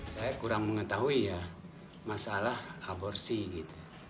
saya kurang mengetahui ya masalah aborsi gitu